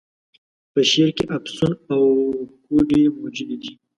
په شعر کي افسون او کوډې موجودي دي.